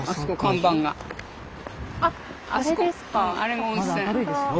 あっあれですか。